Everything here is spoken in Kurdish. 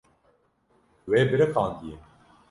We biriqandiye.